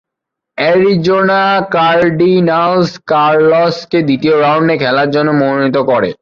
Arizona Cardinals কার্লোসকে দ্বিতীয় রাউন্ডে খেলার জন্য মনোনীত করে।